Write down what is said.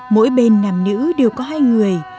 mỗi bên nam nữ đều có hai người